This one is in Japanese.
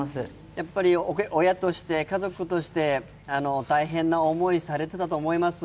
やっぱり親として家族として、大変な思い、されていたと思います。